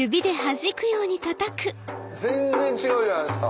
全然違うじゃないですか。